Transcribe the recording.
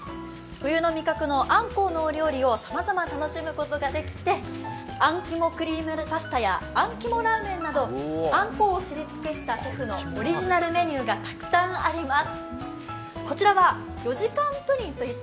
冬の味覚のあんこうのお料理をさまざま楽しむことができてあん肝のクリームパスタやあん肝ラーメンなどあんこうを知り尽くしたシェフのオリジナルメニューがたくさんあります。